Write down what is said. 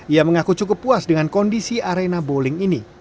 ia mengaku cukup puas dengan kondisi arena bowling ini